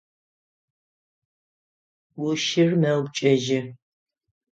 Ӏушыр мэупчӏэжьы.